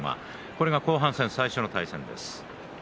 これが後半戦最初の対戦です。